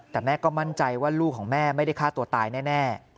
แต่แม่ก็มั่นใจว่าลูกของแม่ไม่ได้ฆ่าตัวตายแน่